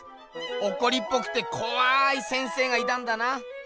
おこりっぽくてこわい先生がいたんだな。